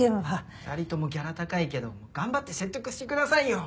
２人ともギャラ高いけど頑張って説得してくださいよ！